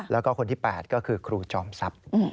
แล้วก็คนที่๘ก็คือครูจอมทรัพย์